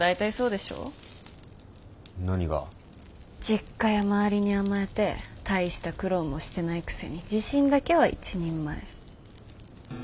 実家や周りに甘えて大した苦労もしてないくせに自信だけは一人前。